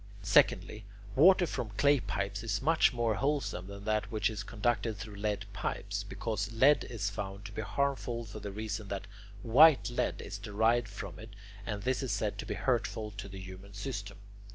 Secondly, water from clay pipes is much more wholesome than that which is conducted through lead pipes, because lead is found to be harmful for the reason that white lead is derived from it, and this is said to be hurtful to the human system.